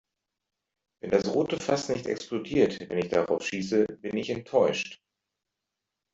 Wenn das rote Fass nicht explodiert, wenn ich darauf schieße, bin ich enttäuscht.